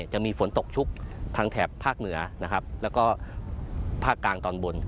จะมีฝนตกชุกทางแถบภาคเหนือนะครับแล้วก็ภาคกลางตอนบน